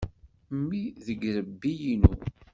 Mmi deg yirebbi-inu.